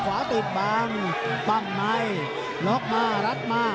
ขวาติดบางบ้างในล๊อคมารัดมา